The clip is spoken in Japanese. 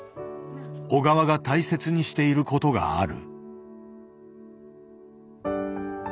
小川が大切にしていることがある。